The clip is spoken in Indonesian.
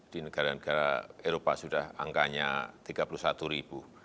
di negara negara eropa sudah angkanya tiga puluh satu ribu